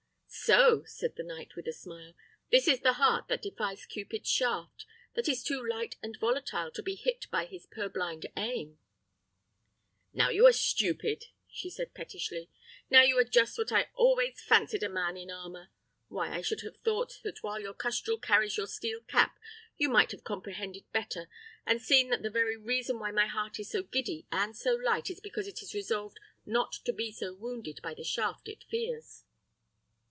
"So!" said the knight, with a smile, "this is the heart that defies Cupid's shaft: that is too light and volatile to be hit by his purblind aim!" "Now you are stupid!" said she, pettishly. "Now you are just what I always fancied a man in armour. Why, I should have thought, that while your custrel carries your steel cap, you might have comprehended better, and seen that the very reason why my heart is so giddy and so light is because it is resolved not to be so wounded by the shaft it fears."